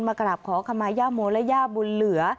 กราบขอขมาย่าโมและย่าบุญเหลือ